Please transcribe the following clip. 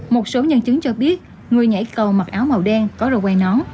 một số nhân chứng cho biết người nhảy cầu mặc áo màu đen có rồi quay nón